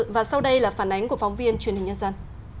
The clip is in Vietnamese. và sau đây là phản ánh của phóng viên truyền hình nhân dân